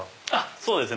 そうですね